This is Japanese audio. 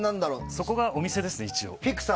そこがお店ですね。